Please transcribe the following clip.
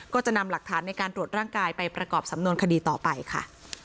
ก็จะนำหลักฐานในการตรวจร่างกายไปประกอบสำนวนคดีต่อไปค่ะ